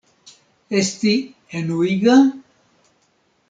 Esti enuiga?